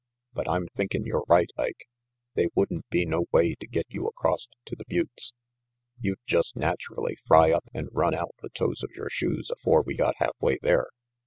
But I'm thinkin' you're right, Ike. They wouldn't be no way to get you acrost to the buttes. You'd just naturally fry up and run out the toes of your shoes afore we got half way there.